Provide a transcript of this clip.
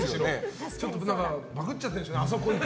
ちょっとバグっちゃってるんでしょうね。